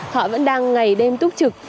họ vẫn đang ngày đêm túc trực